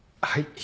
はい。